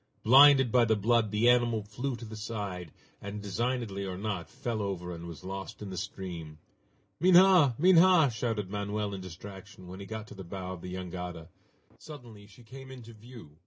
Blinded by the blood, the animal flew to the side, and, designedly or not, fell over and was lost in the stream. "Minha! Minha!" shouted Manoel in distraction, when he got to the bow of the jangada. Suddenly she came into view.